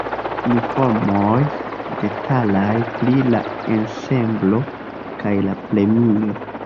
Informoj detalaj pri la ensemblo kaj la premio.